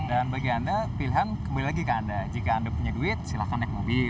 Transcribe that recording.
dan bagi anda pilihan kembali lagi ke anda jika anda punya duit silahkan naik mobil